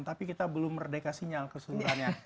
tapi kita belum merdeka sinyal keseluruhannya